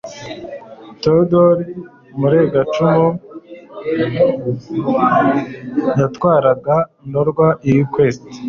teodori muregancuro yatwaraga ndorwa i ouest